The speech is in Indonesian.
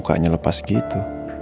kenapa mukanya lepas gitu